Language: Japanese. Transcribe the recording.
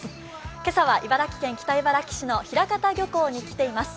今朝は茨城県北茨城市の平潟漁港に来ています。